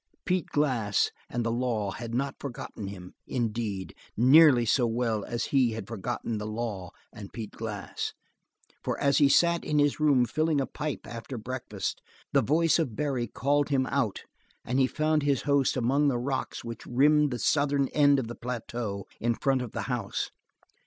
Pete Glass and the law had not forgotten him, indeed, nearly so well as he had forgotten the law and Pete Glass, for as he sat in his room filling a pipe after breakfast the voice of Barry called him out, and he found his host among the rocks which rimmed the southern end of the plateau, in front of the house.